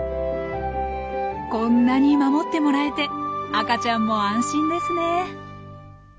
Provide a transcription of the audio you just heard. こんなに守ってもらえて赤ちゃんも安心ですね。